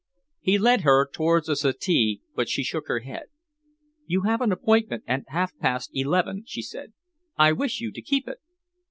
He led her towards a settee but she shook her head. "You have an appointment at half past eleven," she said. "I wish you to keep it."